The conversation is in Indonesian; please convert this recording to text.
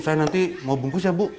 saya nanti mau bungkus ya bu